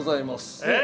◆えっ？